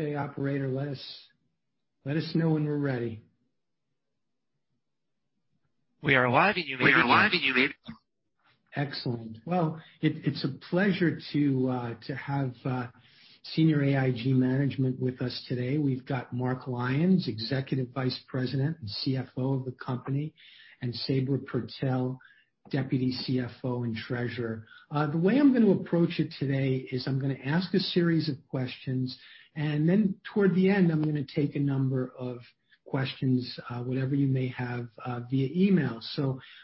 Okay, operator, let us know when we're ready. We are live. Excellent. It's a pleasure to have senior AIG management with us today. We've got Mark Lyons, Executive Vice President and CFO of the company, and Sabra Purtill, Deputy CFO and Treasurer. The way I'm going to approach it today is I'm going to ask a series of questions. Toward the end, I'm going to take a number of questions, whatever you may have, via email.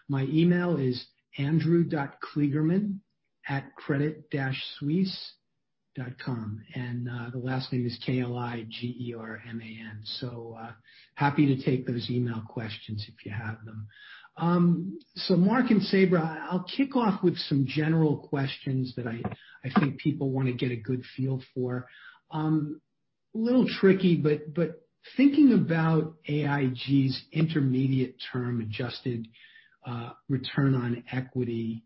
My email is andrew.kligerman@credit-suisse.com, and the last name is K-L-I-G-E-R-M-A-N. Happy to take those email questions if you have them. Mark and Sabra, I'll kick off with some general questions that I think people want to get a good feel for. A little tricky. Thinking about AIG's intermediate term adjusted return on equity,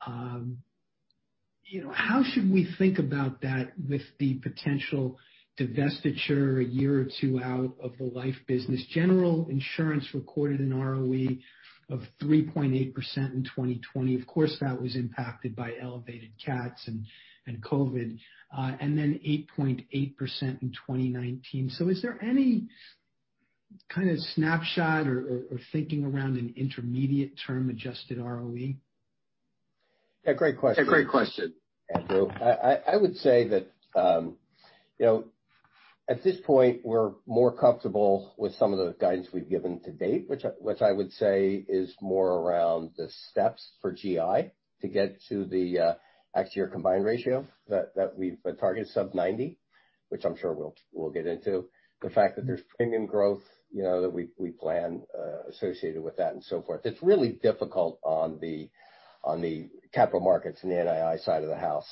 how should we think about that with the potential divestiture a year or two out of the life business? General Insurance recorded an ROE of 3.8% in 2020. Of course, that was impacted by elevated cats and COVID. 8.8% in 2019. Is there any kind of snapshot or thinking around an intermediate term adjusted ROE? Yeah, great question, Andrew. I would say that at this point, we're more comfortable with some of the guidance we've given to date, which I would say is more around the steps for GI to get to the actual combined ratio that we've targeted, sub 90, which I'm sure we'll get into. The fact that there's premium growth that we plan associated with that and so forth. It's really difficult on the capital markets and the NII side of the house,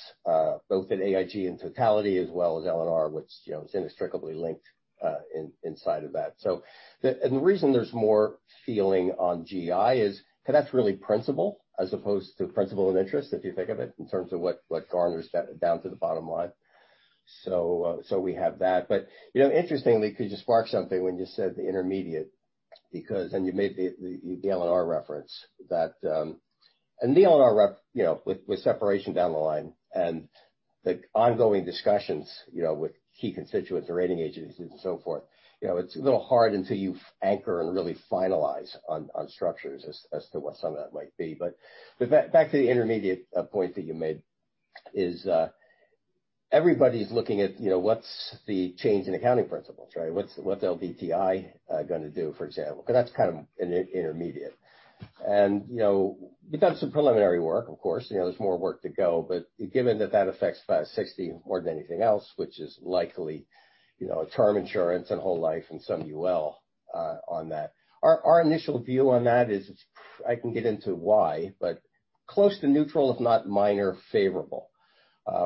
both at AIG in totality as well as L&R, which is inextricably linked inside of that. The reason there's more feeling on GI is because that's really principal as opposed to principal and interest, if you think of it, in terms of what garners down to the bottom line. We have that. Interestingly, because you sparked something when you said the intermediate. You made the L&R reference. The L&R with separation down the line and the ongoing discussions with key constituents or rating agencies and so forth, it's a little hard until you anchor and really finalize on structures as to what some of that might be. Back to the intermediate point that you made is everybody's looking at what's the change in accounting principles, right? What's LDTI going to do, for example, because that's kind of intermediate. We've done some preliminary work, of course, there's more work to go. Given that that affects 560 more than anything else, which is likely term insurance and whole life and some UL on that. Our initial view on that is, I can get into why. Close to neutral if not minor favorable.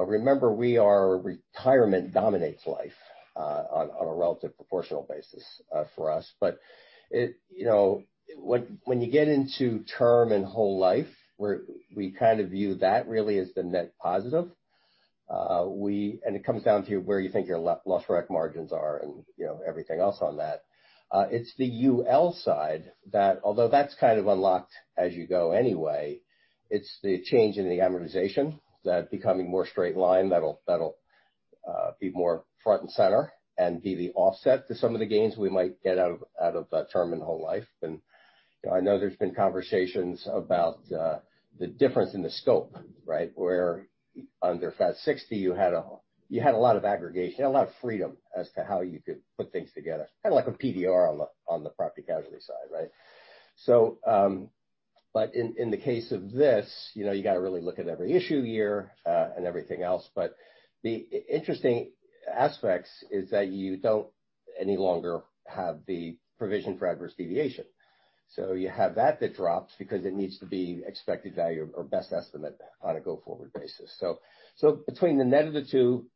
Remember, retirement dominates life on a relative proportional basis for us. When you get into term and whole life, we kind of view that really as the net positive. It comes down to where you think your loss recognition margins are and everything else on that. It's the UL side that, although that's kind of unlocked as you go anyway, it's the change in the amortization that becoming more straight line that'll be more front and center and be the offset to some of the gains we might get out of that term and whole life. I know there's been conversations about the difference in the scope, right? Where under FAS 60 you had a lot of aggregation, you had a lot of freedom as to how you could put things together. Kind of like a PDR on the property casualty side, right? In the case of this, you got to really look at every issue year, and everything else. The interesting aspect is that you don't any longer have the provision for adverse deviation. You have that drops because it needs to be expected value or best estimate on a go-forward basis. Between the net of the two,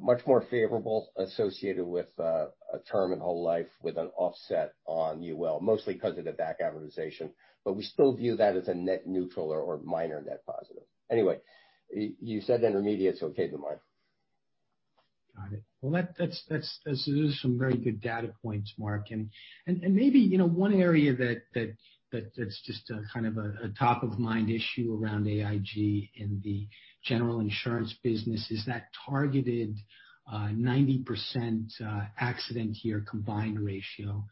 much more favorable associated with a term and whole life with an offset on UL, mostly because of the back amortization. We still view that as a net neutral or minor net positive. Anyway, you said intermediate, okay to move on. Got it. Those are some very good data points, Mark. Maybe one area that's just a kind of a top-of-mind issue around AIG in the General Insurance business is that targeted 90% accident year combined ratio.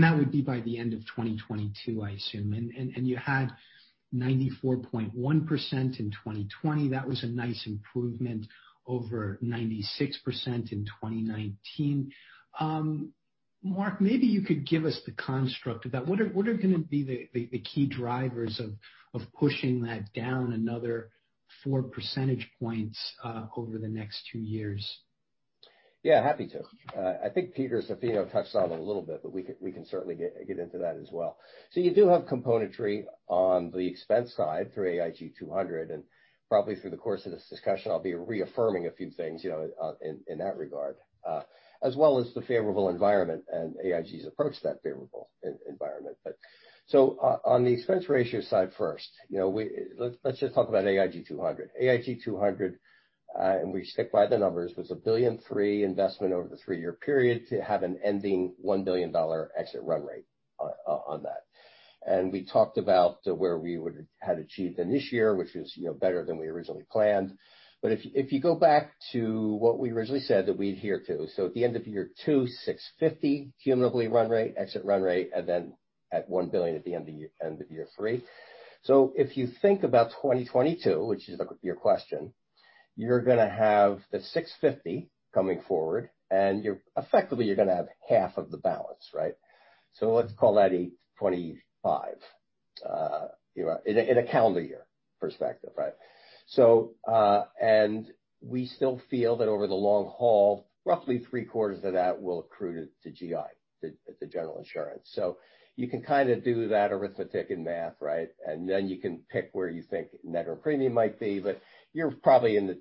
That would be by the end of 2022, I assume. You had 94.1% in 2020. That was a nice improvement over 96% in 2019. Mark, maybe you could give us the construct of that. What are going to be the key drivers of pushing that down another four percentage points over the next two years? Yeah, happy to. I think Peter Zaffino touched on it a little bit, we can certainly get into that as well. You do have componentry on the expense side through AIG 200, probably through the course of this discussion, I'll be reaffirming a few things in that regard, as well as the favorable environment and AIG's approach to that favorable environment. On the expense ratio side first, let's just talk about AIG 200. AIG 200, we stick by the numbers, was a $1.3 billion investment over the three-year period to have an ending $1 billion exit run rate on that. We talked about where we had achieved in this year, which was better than we originally planned. If you go back to what we originally said that we'd adhere to, at the end of year two, $650 cumulatively run rate, exit run rate, and then at $1 billion at the end of year three. If you think about 2022, which is your question, you're going to have the $650 coming forward, and effectively, you're going to have half of the balance. Right? Let's call that $25 in a calendar year perspective. Right? And we still feel that over the long haul, roughly three-quarters of that will accrue to GI, to General Insurance. You can kind of do that arithmetic and math, right? And then you can pick where you think net or premium might be, but you're probably in the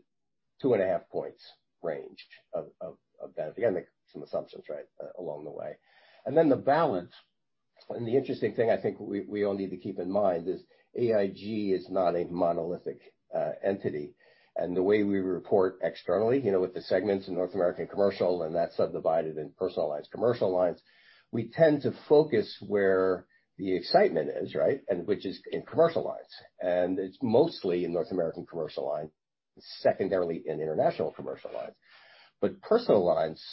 two and a half points range of that. Again, make some assumptions along the way. The balance, and the interesting thing I think we all need to keep in mind is AIG is not a monolithic entity. The way we report externally with the segments in North America Commercial and that's subdivided in personal lines, commercial lines, we tend to focus where the excitement is, right? Which is in commercial lines. It's mostly in North America Commercial lines, secondarily in international commercial lines. Personal lines,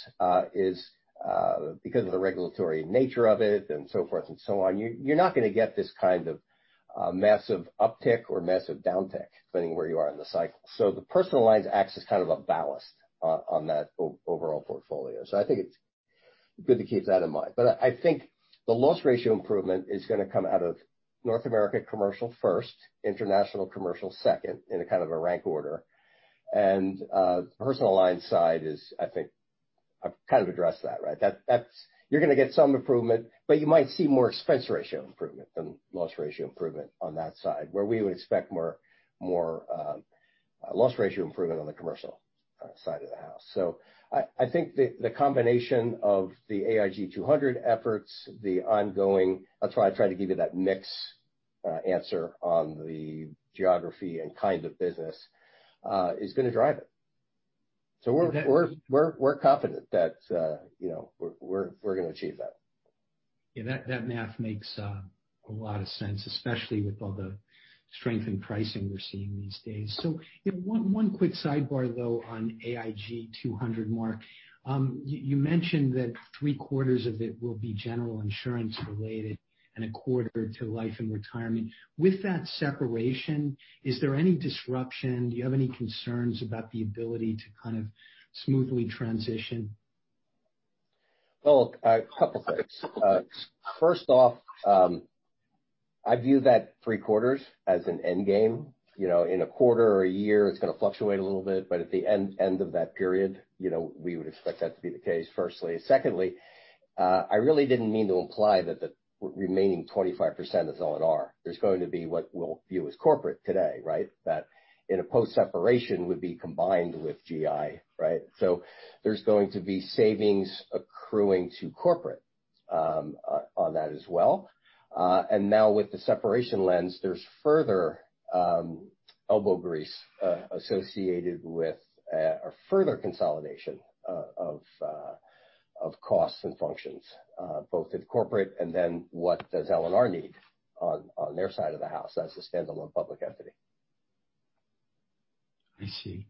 because of the regulatory nature of it, and so forth and so on, you're not going to get this kind of massive uptick or massive downtick depending where you are in the cycle. The personal lines acts as kind of a ballast on that overall portfolio. I think it's good to keep that in mind. I think the loss ratio improvement is going to come out of North America Commercial first, International Commercial second, in a kind of a rank order. Personal lines side is, I think I've kind of addressed that, right? You're going to get some improvement, but you might see more expense ratio improvement than loss ratio improvement on that side, where we would expect more loss ratio improvement on the commercial side of the house. I think the combination of the AIG 200 efforts, that's why I tried to give you that mix answer on the geography and kind of business, is going to drive it. We're confident that we're going to achieve that. That math makes a lot of sense, especially with all the strength in pricing we're seeing these days. One quick sidebar, though, on AIG 200, Mark. You mentioned that three-quarters of it will be General Insurance related and a quarter to Life and Retirement. With that separation, is there any disruption? Do you have any concerns about the ability to kind of smoothly transition? Well, a couple things. First off, I view that three-quarters as an end game. In a quarter or a year, it's going to fluctuate a little bit, but at the end of that period, we would expect that to be the case, firstly. Secondly, I really didn't mean to imply that the remaining 25% is L&R. There's going to be what we'll view as corporate today, right? That in a post-separation would be combined with GI, right? There's going to be savings accruing to corporate on that as well. Now with the separation lens, there's further elbow grease associated with a further consolidation of costs and functions, both in corporate and then what does L&R need on their side of the house as a standalone public entity. I see.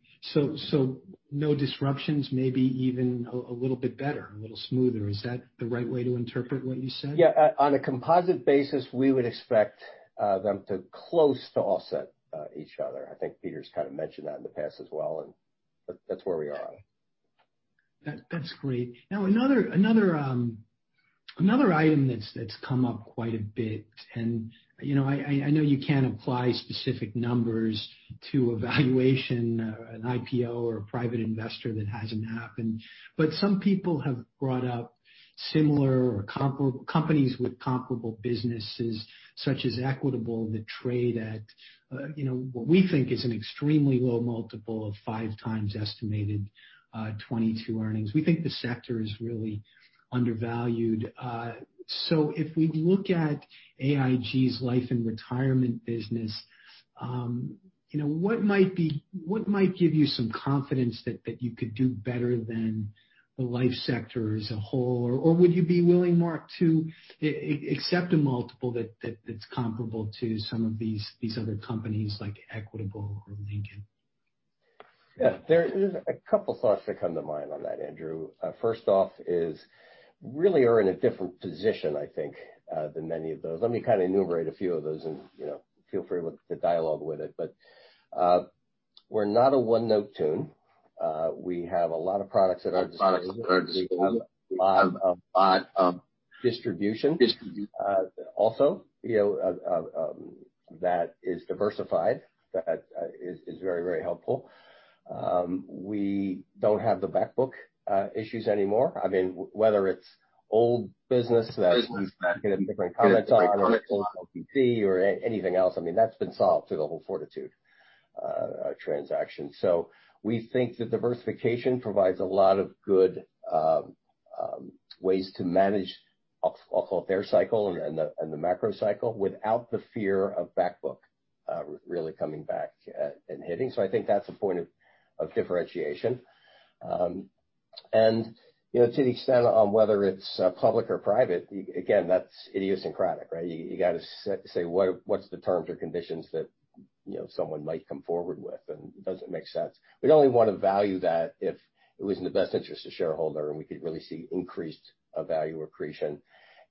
No disruptions, maybe even a little bit better, a little smoother. Is that the right way to interpret what you said? Yeah. On a composite basis, we would expect them to close to offset each other. I think Peter's kind of mentioned that in the past as well. That's where we are on it. That's great. Another item that's come up quite a bit, I know you can't apply specific numbers to a valuation or an IPO or a private investor that hasn't happened, but some people have brought up similar or companies with comparable businesses, such as Equitable, that trade at what we think is an extremely low multiple of five times estimated 2022 earnings. We think the sector is really undervalued. If we look at AIG's Life and Retirement business, what might give you some confidence that you could do better than the life sector as a whole? Or would you be willing, Mark, to accept a multiple that's comparable to some of these other companies, like Equitable or Lincoln? Yeah. There's a couple thoughts that come to mind on that, Andrew. First off is really are in a different position, I think, than many of those. Let me kind of enumerate a few of those and feel free with the dialogue with it. We're not a one-note tune. We have a lot of products at our disposal. We have a lot of distribution also, that is diversified. That is very helpful. We don't have the back book issues anymore. I mean, whether it's old business that we've made a different comment on, LBP or anything else, I mean, that's been solved through the whole Fortitude. Transaction. We think that diversification provides a lot of good ways to manage a full fair cycle and the macro cycle without the fear of back book, really coming back, and hitting. I think that's a point of differentiation. To the extent on whether it's public or private, again, that's idiosyncratic, right? You got to say what's the terms or conditions that someone might come forward with, and does it make sense? We'd only want to value that if it was in the best interest of shareholder, and we could really see increased value accretion,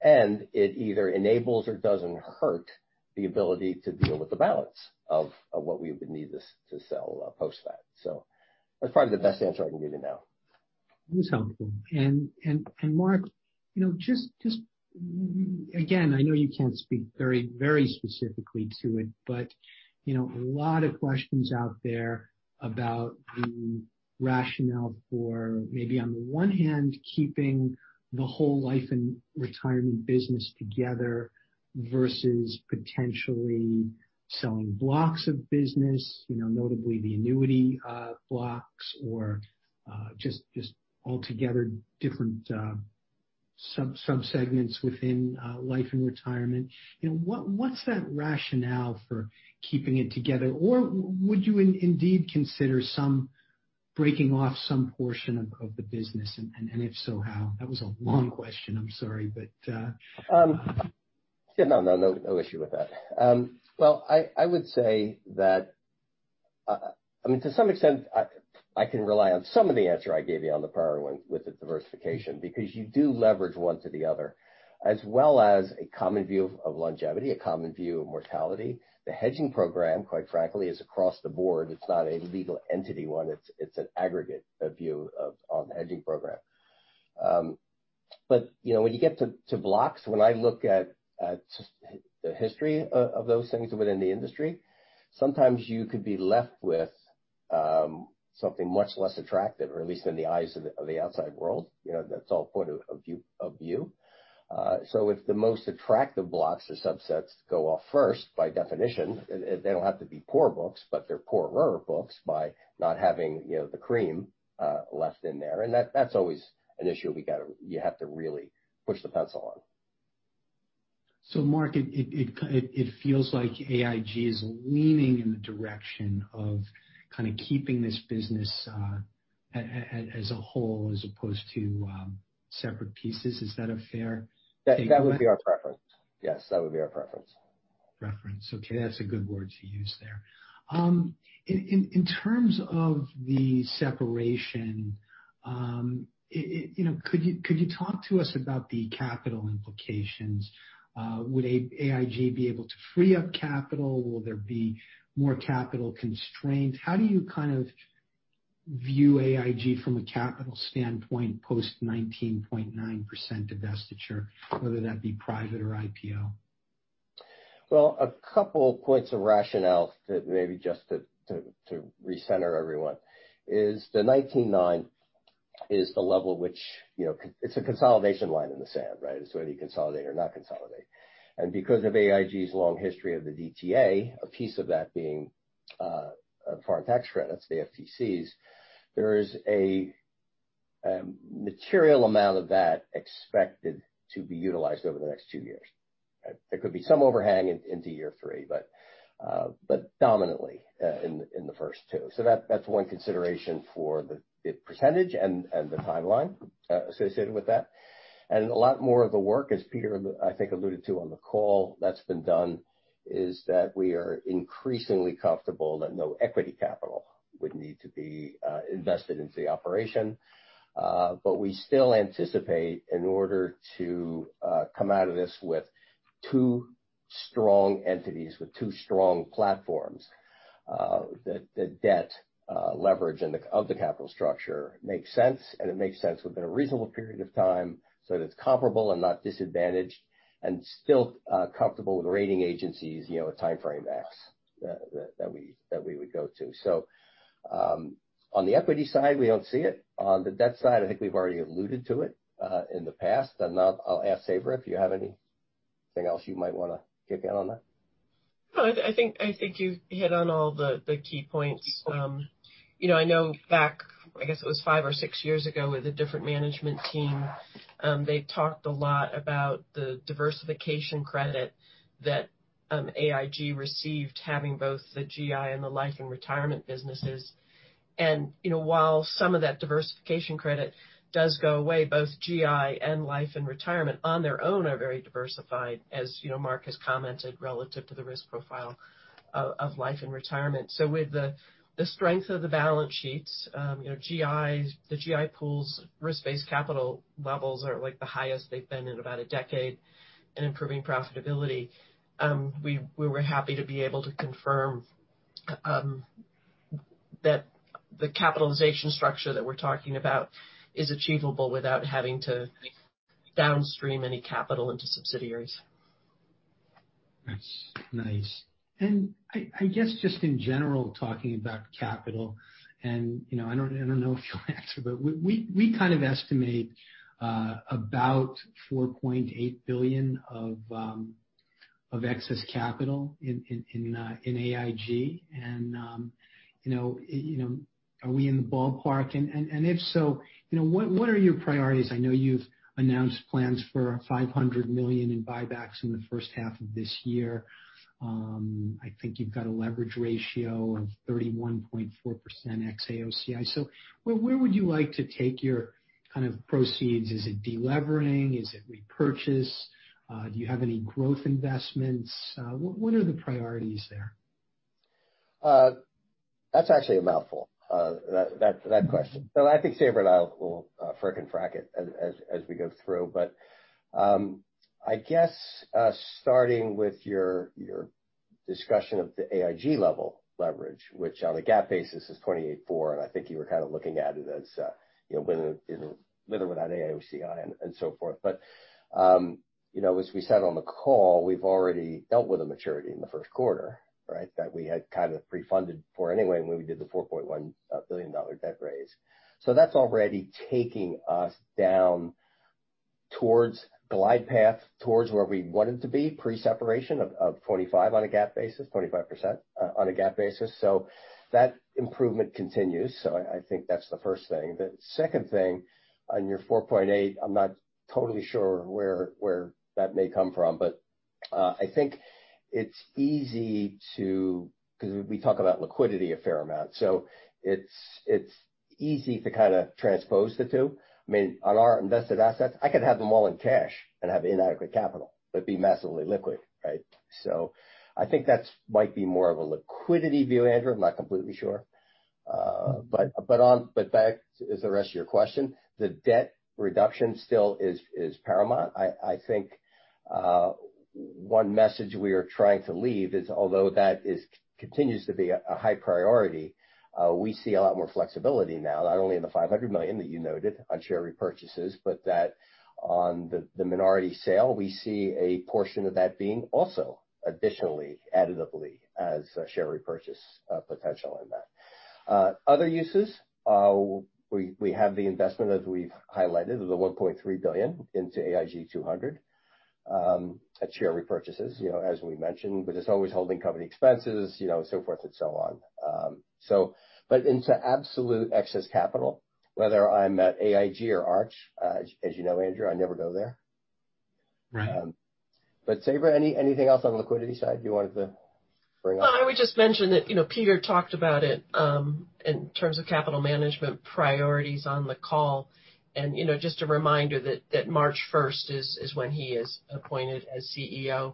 and it either enables or doesn't hurt the ability to deal with the balance of what we would need to sell post that. That's probably the best answer I can give you now. That's helpful. Mark, just again, I know you can't speak very specifically to it, a lot of questions out there about the rationale for maybe on the one hand, keeping the whole life and retirement business together versus potentially selling blocks of business, notably the annuity blocks or, just altogether different sub-segments within Life and Retirement. What's that rationale for keeping it together? Would you indeed consider some breaking off some portion of the business and if so, how? That was a long question. I'm sorry. Yeah, no issue with that. Well, I would say that to some extent, I can rely on some of the answer I gave you on the prior one with the diversification, because you do leverage one to the other, as well as a common view of longevity, a common view of mortality. The hedging program, quite frankly, is across the board. It's not a legal entity one. It's an aggregate view on the hedging program. When you get to blocks, when I look at the history of those things within the industry, sometimes you could be left with something much less attractive, or at least in the eyes of the outside world. That's all point of view. If the most attractive blocks or subsets go off first, by definition, they don't have to be poor books, but they're poorer books by not having the cream left in there. That's always an issue you have to really push the pencil on. Mark, it feels like AIG is leaning in the direction of keeping this business as a whole, as opposed to separate pieces. Is that a fair statement? That would be our preference. Yes, that would be our preference. Preference. Okay. That's a good word to use there. In terms of the separation, could you talk to us about the capital implications? Would AIG be able to free up capital? Will there be more capital constraints? How do you view AIG from a capital standpoint post-19.9% divestiture, whether that be private or IPO? A couple points of rationale that maybe just to recenter everyone is the 19.9 is the level which It's a consolidation line in the sand, right? It's whether you consolidate or not consolidate. Because of AIG's long history of the DTA, a piece of that being foreign tax credits, the FTCs, there is a material amount of that expected to be utilized over the next two years. There could be some overhang into year three, but dominantly in the first two. That's one consideration for the percentage and the timeline associated with that. A lot more of the work, as Peter I think alluded to on the call that's been done is that we are increasingly comfortable that no equity capital would need to be invested into the operation. We still anticipate in order to come out of this with two strong entities, with two strong platforms, that the debt leverage of the capital structure makes sense and it makes sense within a reasonable period of time, so that it's comparable and not disadvantaged and still comfortable with rating agencies, a timeframe X that we would go to. On the equity side, we don't see it. On the debt side, I think we've already alluded to it in the past. I'll ask Sabra if you have anything else you might want to kick in on that. No, I think you've hit on all the key points. I know back, I guess it was five or six years ago with a different management team, they talked a lot about the diversification credit that AIG received having both the GI and the Life and Retirement businesses. While some of that diversification credit does go away, both GI and Life and Retirement on their own are very diversified, as Mark has commented, relative to the risk profile of Life and Retirement. With the strength of the balance sheets, the GI pool's risk-based capital levels are the highest they've been in about a decade in improving profitability. We were happy to be able to confirm that the capitalization structure that we're talking about is achievable without having to downstream any capital into subsidiaries. That's nice. I guess just in general, talking about capital, and I don't know if you'll answer, but we kind of estimate about $4.8 billion of excess capital in AIG. Are we in the ballpark? If so, what are your priorities? I know you've announced plans for $500 million in buybacks in the first half of this year. I think you've got a leverage ratio of 31.4% ex-AOCI. Where would you like to take your kind of proceeds? Is it de-levering? Is it repurchase? Do you have any growth investments? What are the priorities there? That's actually a mouthful, that question. I think Sabra and I will fork and frack it as we go through. I guess, starting with your discussion of the AIG level leverage, which on a GAAP basis is 28.4%, and I think you were kind of looking at it as with and without AOCI and so forth. As we said on the call, we've already dealt with a maturity in the first quarter, right? That we had kind of pre-funded for anyway when we did the $4.1 billion debt raise. That's already taking us down towards glide path, towards where we wanted to be pre-separation of 45% on a GAAP basis. That improvement continues. I think that's the first thing. The second thing, on your 4.8, I'm not totally sure where that may come from. I think it's easy to Because we talk about liquidity a fair amount, so it's easy to kind of transpose the two. I mean, on our invested assets, I could have them all in cash and have inadequate capital but be massively liquid, right? I think that might be more of a liquidity view, Andrew. I'm not completely sure. Back to the rest of your question, the debt reduction still is paramount. I think one message we are trying to leave is, although that continues to be a high priority, we see a lot more flexibility now, not only in the $500 million that you noted on share repurchases, but that on the minority sale, we see a portion of that being also additionally, additively as a share repurchase potential in that. Other uses, we have the investment, as we've highlighted, of the $1.3 billion into AIG 200 at share repurchases, as we mentioned. There's always holding company expenses, so forth and so on. Into absolute excess capital, whether I'm at AIG or Arch, as you know, Andrew, I never go there. Right. Sabra, anything else on the liquidity side you wanted to bring up? Well, I would just mention that Peter talked about it, in terms of capital management priorities on the call. Just a reminder that March 1st is when he is appointed as CEO.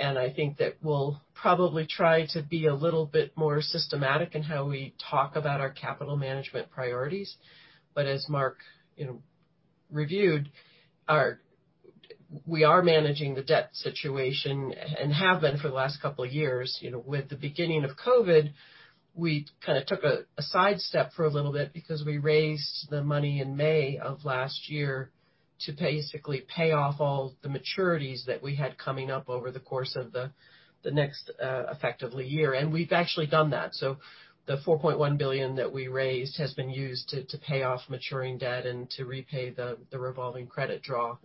I think that we'll probably try to be a little bit more systematic in how we talk about our capital management priorities. As Mark reviewed, we are managing the debt situation and have been for the last couple of years. With the beginning of COVID, we kind of took a side step for a little bit because we raised the money in May of last year to basically pay off all the maturities that we had coming up over the course of the next, effectively, year. We've actually done that. The $4.1 billion that we raised has been used to pay off maturing debt and to repay the revolving credit draw.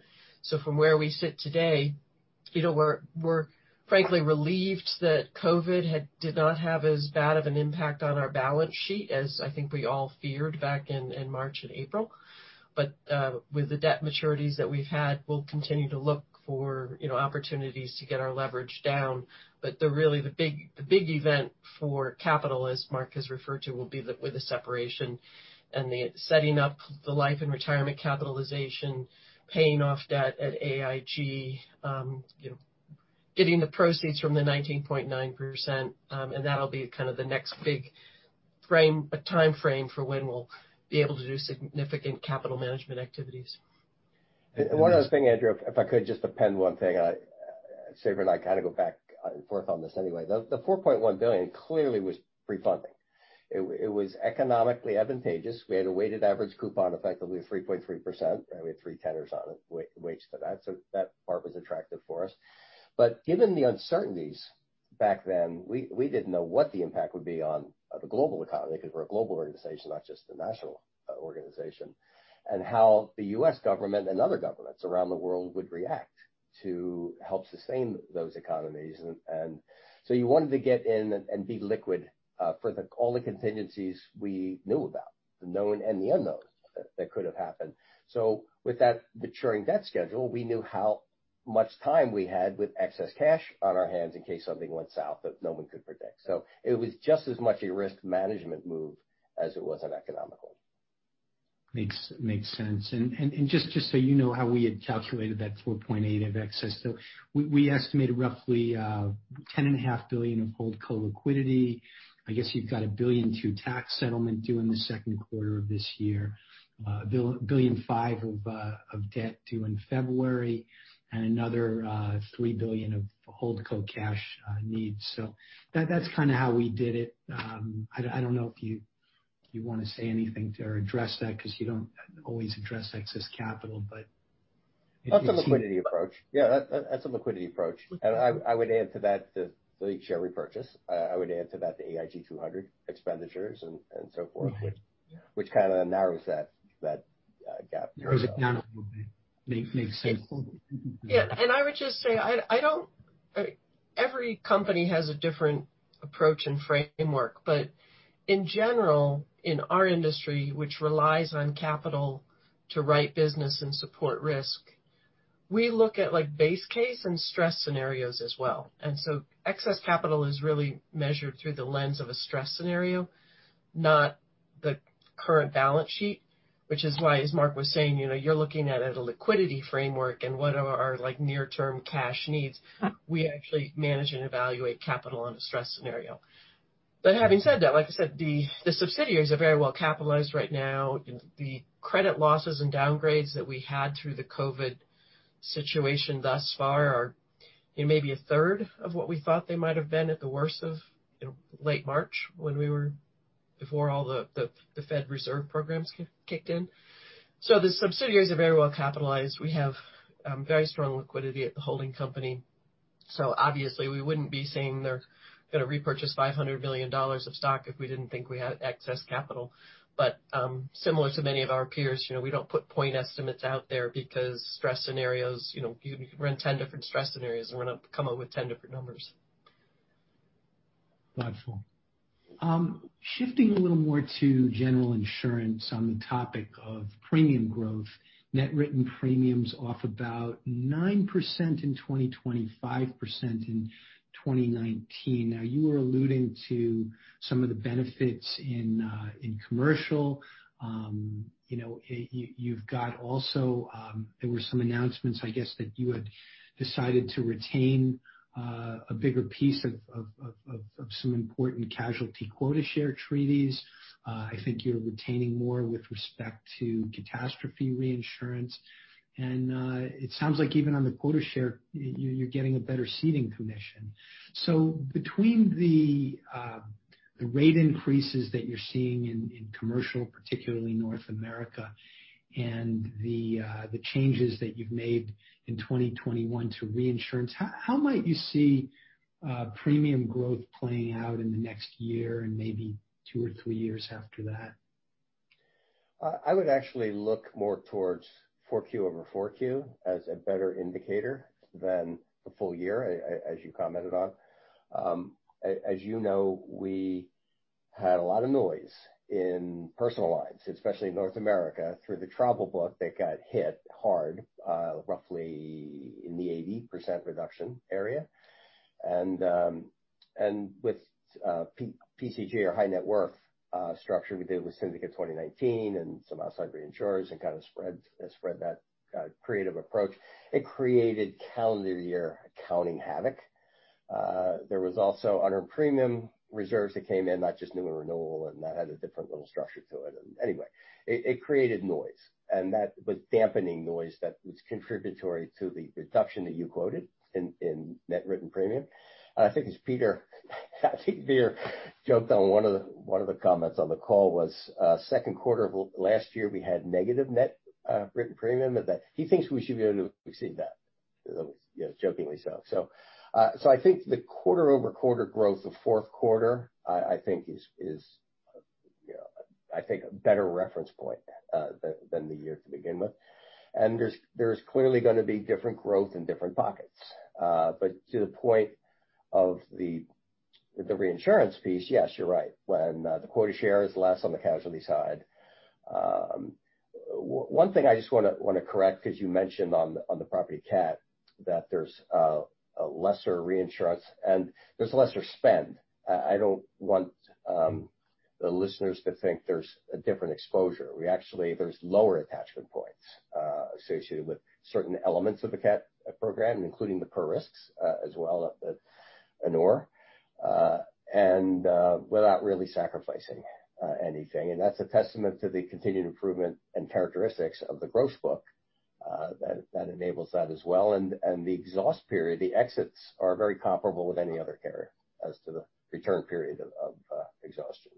From where we sit today, we're frankly relieved that COVID did not have as bad of an impact on our balance sheet as I think we all feared back in March and April. With the debt maturities that we've had, we'll continue to look for opportunities to get our leverage down. Really, the big event for capital, as Mark has referred to, will be with the separation and the setting up the Life and Retirement capitalization, paying off debt at AIG, getting the proceeds from the 19.9%, and that'll be kind of the next big time frame for when we'll be able to do significant capital management activities. One other thing, Andrew, if I could just append one thing. Sabra and I kind of go back and forth on this anyway. The $4.1 billion clearly was pre-funding. It was economically advantageous. We had a weighted average coupon, effectively 3.3%, right? We had three tenors on it, weights to that. That part was attractive for us. Given the uncertainties back then, we didn't know what the impact would be on the global economy, because we're a global organization, not just a national organization. How the U.S. government and other governments around the world would react to help sustain those economies. You wanted to get in and be liquid, for all the contingencies we knew about, the known and the unknown that could have happened. With that maturing debt schedule, we knew how much time we had with excess cash on our hands in case something went south that no one could predict. It was just as much a risk management move as it was an economical. Makes sense. Just so you know how we had calculated that $4.8 of excess, we estimated roughly $10.5 billion of holdco liquidity. I guess you've got $1 billion through tax settlement due in the second quarter of this year. $1.5 billion of debt due in February and another $3 billion of holdco cash needs. That's kind of how we did it. I don't know if you want to say anything to address that because you don't always address excess capital, but. That's a liquidity approach. Yeah, that's a liquidity approach. I would add to that the share repurchase. I would add to that the AIG 200 expenditures and so forth. Yeah. Which kind of narrows that. Yeah, I got you. There is a gap. Makes sense. Yeah. I would just say every company has a different approach and framework. In general, in our industry, which relies on capital to write business and support risk, we look at base case and stress scenarios as well. Excess capital is really measured through the lens of a stress scenario, not the current balance sheet, which is why, as Mark was saying, you're looking at a liquidity framework and what are our near-term cash needs. We actually manage and evaluate capital in a stress scenario. Having said that, like I said, the subsidiaries are very well capitalized right now. The credit losses and downgrades that we had through the COVID situation thus far are maybe a third of what we thought they might've been at the worst of late March before all the Fed Reserve programs kicked in. The subsidiaries are very well capitalized. We have very strong liquidity at the holding company. Obviously we wouldn't be saying they're going to repurchase $500 million of stock if we didn't think we had excess capital. Similar to many of our peers, we don't put point estimates out there because stress scenarios, you can run 10 different stress scenarios and we're going to come up with 10 different numbers. Wonderful. Shifting a little more to General Insurance on the topic of premium growth, net written premiums off about 9% in 2020, 5% in 2019. You were alluding to some of the benefits in commercial. There were some announcements, I guess, that you had decided to retain a bigger piece of some important casualty quota share treaties. I think you're retaining more with respect to catastrophe reinsurance. It sounds like even on the quota share, you're getting a better ceding commission. Between the rate increases that you're seeing in commercial, particularly North America, and the changes that you've made in 2021 to reinsurance, how might you see premium growth playing out in the next year and maybe two or three years after that? I would actually look more towards 4Q over 4Q as a better indicator than the full year, as you commented on. As you know, we had a lot of noise in personal lines, especially in North America through the travel book that got hit hard, roughly in the 80% reduction area. With PCG or high-net-worth structure we did with Syndicate 2019 and some outside reinsurers and spread that creative approach, it created calendar year accounting havoc. There was also unearned premium reserves that came in, not just new and renewal, and that had a different little structure to it. Anyway, it created noise, and that was dampening noise that was contributory to the reduction that you quoted in net written premium. I think it's Peter Zaffino joked on one of the comments on the call was, second quarter of last year, we had negative net written premium and that he thinks we should be able to exceed that, jokingly so. I think the quarter-over-quarter growth of fourth quarter is a better reference point than the year to begin with. There's clearly going to be different growth in different pockets. To the point of the reinsurance piece, yes, you're right. When the quota share is less on the casualty side. One thing I just want to correct, because you mentioned on the property cat that there's a lesser reinsurance and there's a lesser spend. I don't want the listeners to think there's a different exposure. There's lower attachment points associated with certain elements of the cat program, including the per risks as well at Aon, and without really sacrificing anything. That's a testament to the continued improvement and characteristics of the gross book that enables that as well. The exhaust period, the exits are very comparable with any other carrier as to the return period of exhaustion.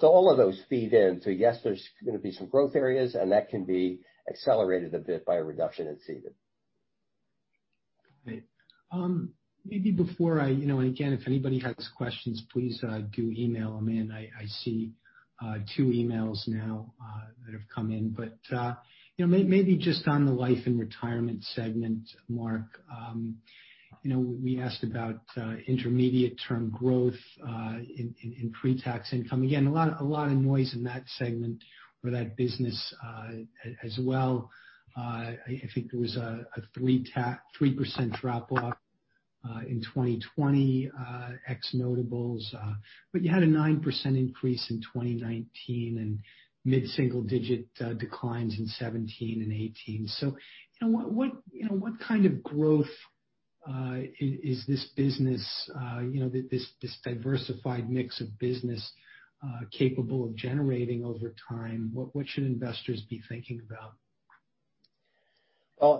All of those feed in. Yes, there's going to be some growth areas, and that can be accelerated a bit by a reduction in ceding. Great. Again, if anybody has questions, please do email them in. I see two emails now that have come in. Maybe just on the Life and Retirement segment, Mark, we asked about intermediate-term growth in pre-tax income. Again, a lot of noise in that segment or that business as well. I think there was a 3% drop-off in 2020 ex notables. You had a 9% increase in 2019 and mid-single-digit declines in 2017 and 2018. What kind of growth is this diversified mix of business capable of generating over time? What should investors be thinking about?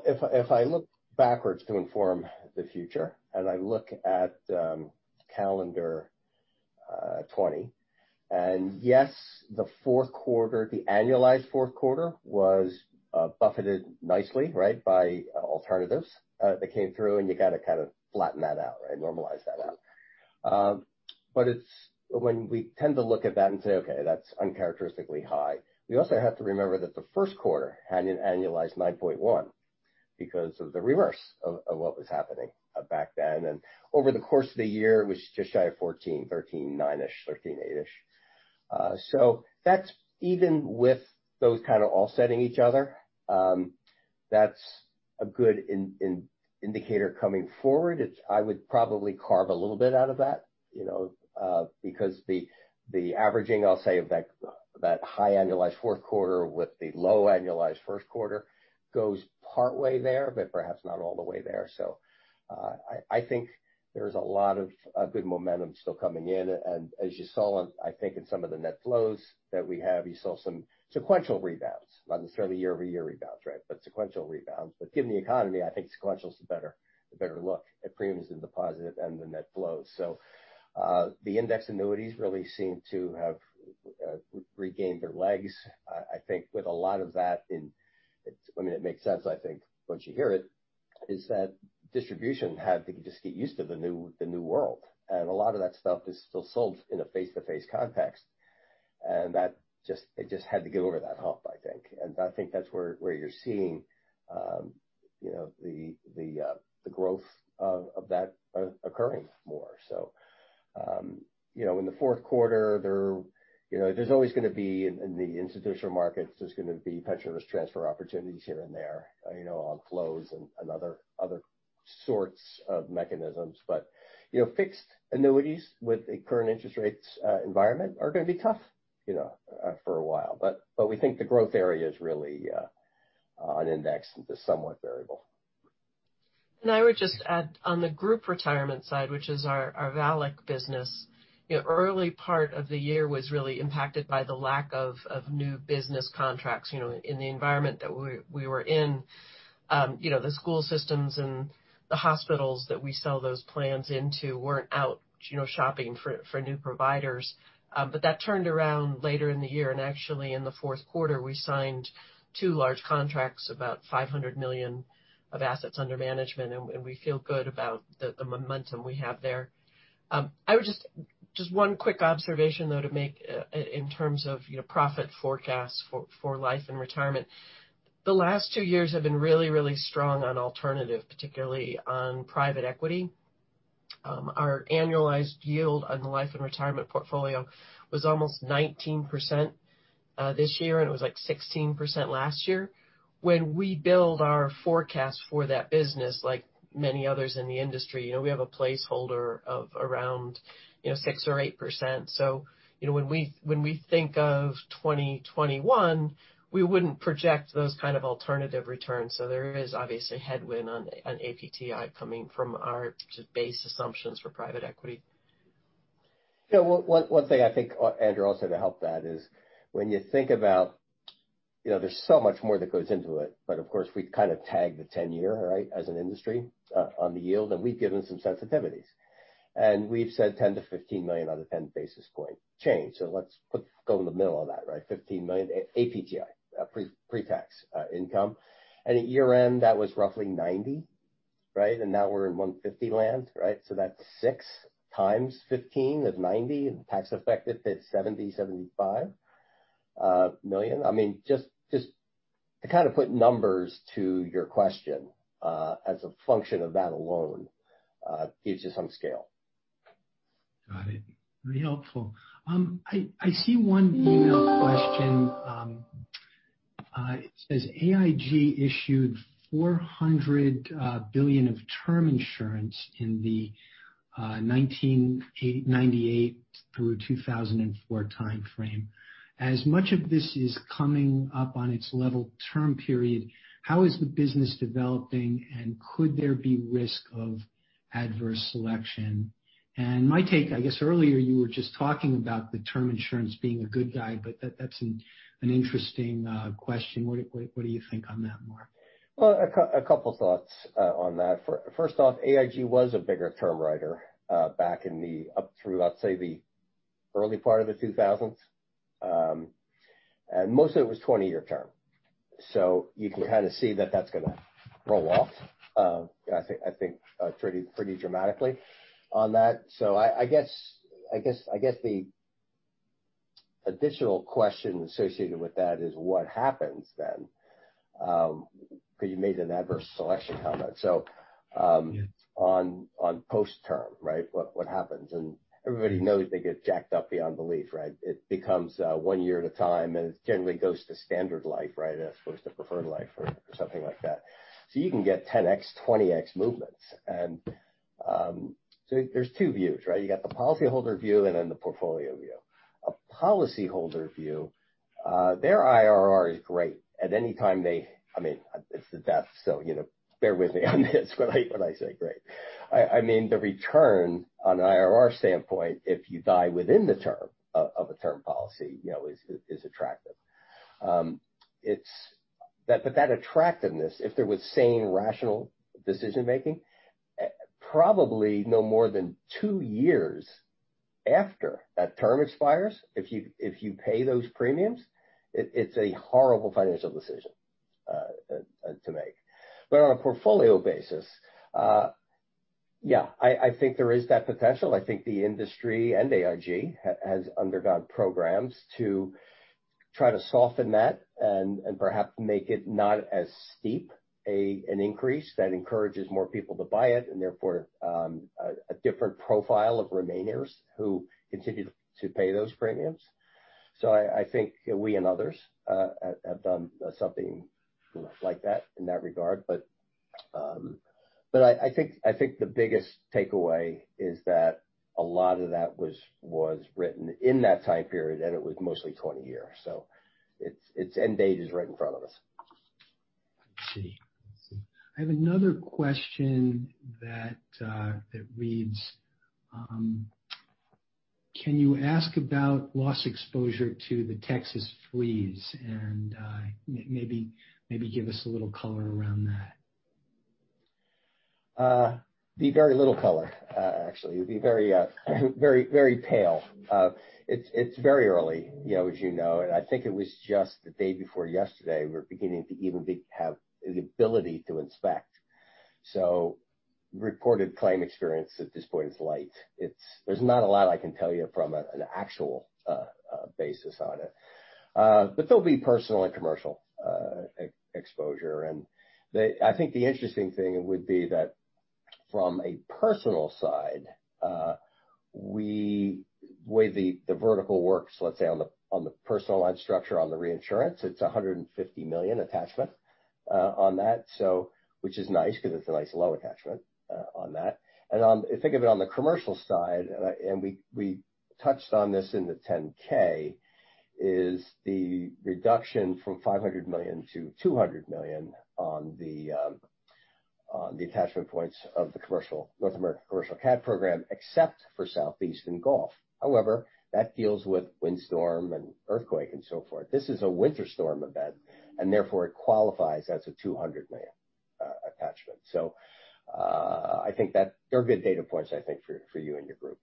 If I look backwards to inform the future, I look at calendar 2020. Yes, the annualized fourth quarter was buffeted nicely by alternatives that came through, and you got to flatten that out. Normalize that out. When we tend to look at that and say, "Okay, that's uncharacteristically high," we also have to remember that the first quarter had an annualized 9.1% because of the reverse of what was happening back then. Over the course of the year, it was just shy of 14%, 13.9%, 13.8%. Even with those kind of offsetting each other, that's a good indicator coming forward. I would probably carve a little bit out of that because the averaging, I'll say, of that high annualized fourth quarter with the low annualized first quarter goes partway there, but perhaps not all the way there. I think there's a lot of good momentum still coming in. As you saw, I think in some of the net flows that we have, you saw some sequential rebounds, not necessarily year-over-year rebounds, but sequential rebounds. Given the economy, I think sequential is the better look at premiums and deposit and the net flows. The index annuities really seem to have regained their legs. It makes sense, I think, once you hear it, is that distribution had to just get used to the new world, and a lot of that stuff is still sold in a face-to-face context. They just had to get over that hump, I think. I think that's where you're seeing the growth of that occurring more. In the fourth quarter, in the institutional markets, there's going to be pension risk transfer opportunities here and there on flows and other sorts of mechanisms. Fixed annuities with a current interest rates environment are going to be tough for a while. We think the growth area is really on index and to somewhat variable. I would just add on the group retirement side, which is our VALIC business, early part of the year was really impacted by the lack of new business contracts in the environment that we were in. The school systems and the hospitals that we sell those plans into weren't out shopping for new providers. That turned around later in the year. Actually, in the fourth quarter, we signed two large contracts, about $500 million of assets under management, and we feel good about the momentum we have there. Just one quick observation, though, to make in terms of profit forecast for Life and Retirement. The last two years have been really strong on alternative, particularly on private equity. Our annualized yield on the Life and Retirement portfolio was almost 19% this year, and it was, like, 16% last year. When we build our forecast for that business, like many others in the industry, we have a placeholder of around 6% or 8%. When we think of 2021, we wouldn't project those kind of alternative returns. There is obviously a headwind on APTI coming from our just base assumptions for private equity. One thing I think, Andrew, also to help that is when you think about there's so much more that goes into it, but of course, we kind of tag the 10-year as an industry on the yield, and we've given some sensitivities. We've said $10 million-$15 million on a 10 basis point change. Let's go in the middle of that, $15 million APTI, pre-tax income. At year-end, that was roughly $90. Now we're in 150 lands. That's six times 15 is 90, and tax effective, that's $70 million-$75 million. Just to kind of put numbers to your question, as a function of that alone, gives you some scale. Got it. Very helpful. I see one email question. It says, AIG issued $400 billion of term insurance in the 1998 through 2004 time frame. As much of this is coming up on its level term period, how is the business developing, and could there be risk of adverse selection? My take, I guess earlier you were just talking about the term insurance being a good guide, but that's an interesting question. What do you think on that, Mark? Well, a couple thoughts on that. First off, AIG was a bigger term writer back up through, I'd say, the early part of the 2000s. Most of it was 20-year term. You can kind of see that that's going to roll off I think pretty dramatically on that. I guess the additional question associated with that is what happens then? Because you made an adverse selection comment. On post-term, what happens? Everybody knows they get jacked up beyond belief. It becomes one year at a time, and it generally goes to standard life as opposed to preferred life or something like that. You can get 10x, 20x movements. There's two views. You got the policyholder view and then the portfolio view. A policyholder view, their IRR is great at any time. It's the best, so bear with me on this when I say great. The return on an IRR standpoint, if you die within the term of a term policy, is attractive. That attractiveness, if there was sane, rational decision-making, probably no more than two years after that term expires, if you pay those premiums, it's a horrible financial decision to make. On a portfolio basis, yeah, I think there is that potential. I think the industry and AIG has undergone programs to try to soften that and perhaps make it not as steep an increase that encourages more people to buy it, and therefore, a different profile of remainers who continue to pay those premiums. I think we and others have done something like that in that regard. I think the biggest takeaway is that a lot of that was written in that time period, and it was mostly 20 years, so its end date is right in front of us. Let's see. I have another question that reads, can you ask about loss exposure to the Texas freeze, and maybe give us a little color around that? It'd be very little color, actually. It'd be very pale. It's very early, as you know, and I think it was just the day before yesterday, we're beginning to even have the ability to inspect. Reported claim experience at this point is light. There's not a lot I can tell you from an actual basis on it. There'll be personal and commercial exposure. I think the interesting thing would be that from a personal side, the way the vertical works, let's say on the personal line structure on the reinsurance, it's $150 million attachment on that. Which is nice because it's a nice low attachment on that. If you think of it on the commercial side, we touched on this in the 10-K, is the reduction from $500 million to $200 million on the attachment points of the North America Commercial cat program, except for Southeast and Gulf. That deals with windstorm and earthquake and so forth. This is a winter storm event, it qualifies as a $200 million attachment. I think they're good data points, I think, for you and your group.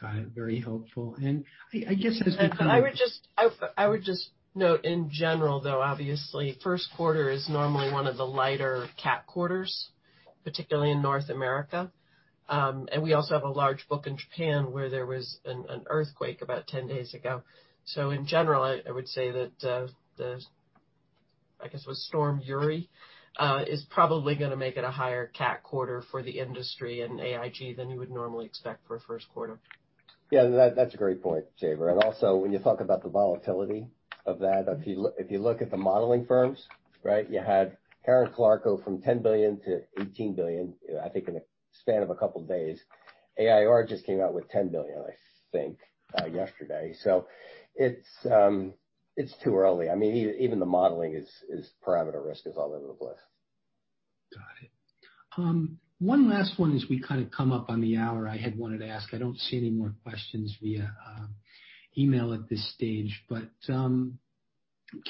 Got it. Very helpful. I guess as we I would just note in general, though, obviously, first quarter is normally one of the lighter cat quarters, particularly in North America. We also have a large book in Japan where there was an earthquake about 10 days ago. In general, I would say that the, I guess it was Storm Uri, is probably going to make it a higher cat quarter for the industry and AIG than you would normally expect for a first quarter. Yeah, that's a great point, Sabra. Also, when you talk about the volatility of that, if you look at the modeling firms, right? You had Karen Clark go from $10 billion to $18 billion, I think in the span of a couple of days. AIR just came out with $10 billion, I think, yesterday. It's too early. Even the modeling's parameter risk is all over the place. Got it. One last one as we kind of come up on the hour, I had wanted to ask. I don't see any more questions via email at this stage, but I'm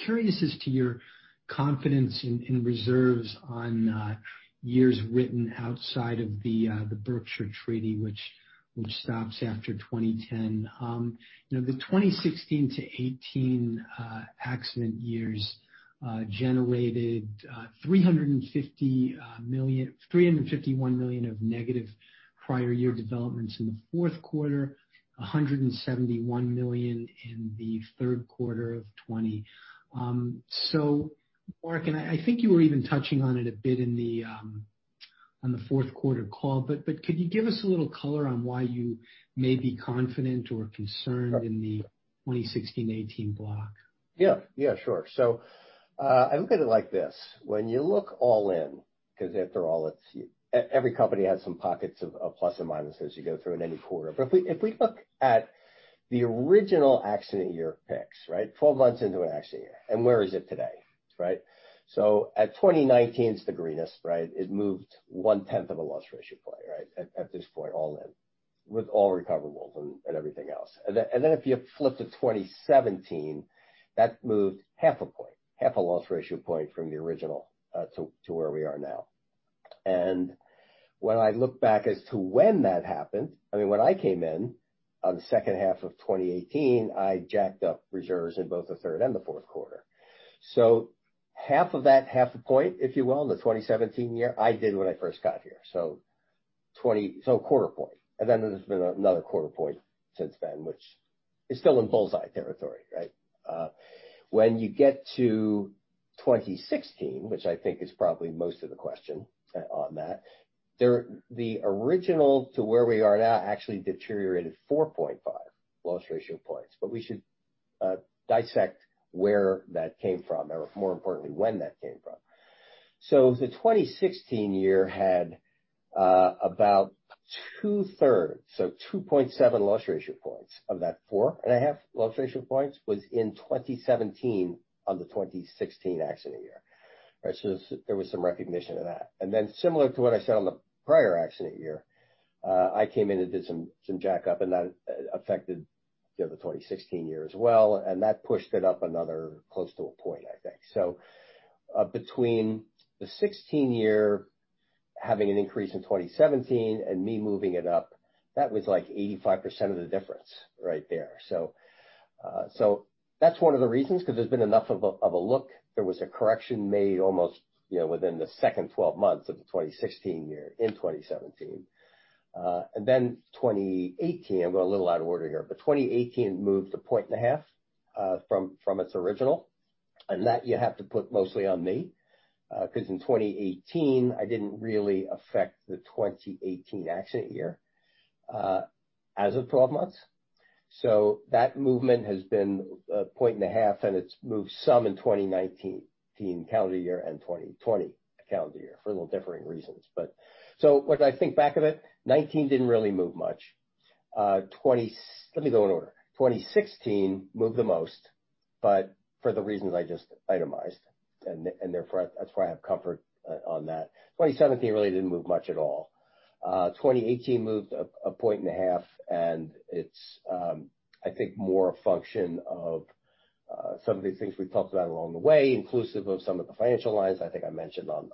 curious as to your confidence in reserves on years written outside of the Berkshire Treaty, which stops after 2010. The 2016-2018 accident years generated $351 million of negative prior year developments in the fourth quarter, $171 million in the third quarter of 2020. Mark, and I think you were even touching on it a bit on the fourth quarter call, but could you give us a little color on why you may be confident or concerned in the 2016-2018 block? Yeah. Sure. I look at it like this. When you look all in, because after all, every company has some pockets of plus and minuses you go through in any quarter. If we look at the original accident year picks, right? 12 months into an accident year, and where is it today, right? At 2019, it's the greenest, right? It moved one tenth of a loss ratio play, right? At this point, all in, with all recoverables and everything else. If you flip to 2017, that moved half a point, half a loss ratio point from the original to where we are now. When I look back as to when that happened, when I came in on the second half of 2018, I jacked up reserves in both the third and the fourth quarter. Half of that half a point, if you will, in the 2017 year, I did when I first got here. A quarter point. There's been another quarter point since then, which is still in bullseye territory, right? When you get to 2016, which I think is probably most of the question on that, the original to where we are now actually deteriorated 4.5 loss ratio points. We should dissect where that came from, or more importantly, when that came from. The 2016 year had about two-thirds, 2.7 loss ratio points of that four and a half loss ratio points was in 2017 on the 2016 accident year. There was some recognition of that. Similar to what I said on the prior accident year, I came in and did some jack up, and that affected the 2016 year as well, and that pushed it up another close to a point, I think. Between the 2016 year Having an increase in 2017 and me moving it up, that was 85% of the difference right there. That's one of the reasons, because there's been enough of a look. There was a correction made almost within the second 12 months of the 2016 year, in 2017. 2018, I'm going a little out of order here, 2018 moved a point and a half from its original. That you have to put mostly on me, because in 2018, I didn't really affect the 2018 accident year as of 12 months. That movement has been 1.5 points, and it's moved some in 2019 calendar year and 2020 calendar year for a little differing reasons. When I think back of it, 2019 didn't really move much. Let me go in order. 2016 moved the most, but for the reasons I just itemized, and therefore, that's why I have comfort on that. 2017 really didn't move much at all. 2018 moved 1.5 points, and it's, I think, more a function of some of these things we've talked about along the way, inclusive of some of the financial lines I think I mentioned on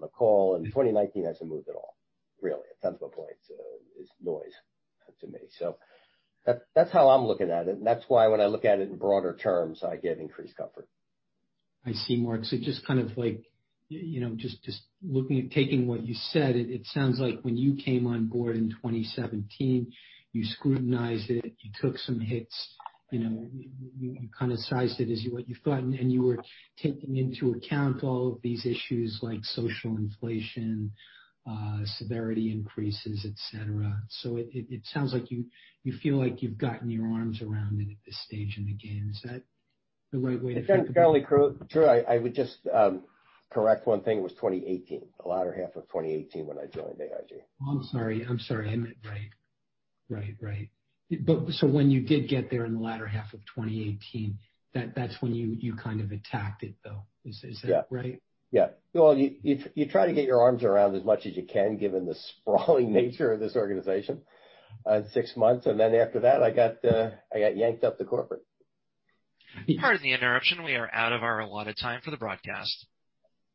the call. 2019 hasn't moved at all, really. 0.1 of a point is noise to me. That's how I'm looking at it, and that's why when I look at it in broader terms, I get increased comfort. I see, Mark. Just kind of taking what you said, it sounds like when you came on board in 2017, you scrutinized it, you took some hits. You kind of sized it as what you thought, and you were taking into account all of these issues like social inflation, severity increases, et cetera. It sounds like you feel like you've gotten your arms around it at this stage. Again, is that the right way to think of it? It sounds fairly true. I would just correct one thing. It was 2018, the latter half of 2018 when I joined AIG. Oh, I'm sorry. I meant, right. When you did get there in the latter half of 2018, that's when you kind of attacked it, though. Is that right? Yeah. Well, you try to get your arms around as much as you can, given the sprawling nature of this organization in six months, and then after that, I got yanked up to corporate. Pardon the interruption. We are out of our allotted time for the broadcast.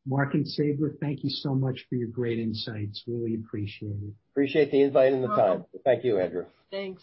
Mark and Sabra, thank you so much for your great insights. Really appreciate it. Appreciate the invite and the time. Thank you, Andrew. Thanks.